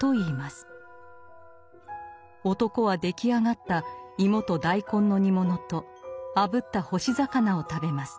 男は出来上がった芋と大根の煮物とあぶった干し魚を食べます。